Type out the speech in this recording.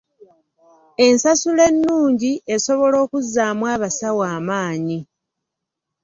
Ensasula ennungi esobola okuzzaamu abasawo amaanyi .